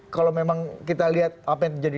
kalau memang kita lihat apa yang terjadi